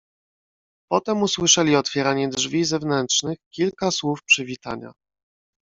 "Potem usłyszeli otwieranie drzwi zewnętrznych, kilka słów przywitania."